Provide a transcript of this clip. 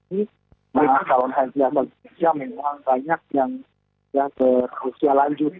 jemaah cumbang haji indonesia memang banyak yang berusia lanjut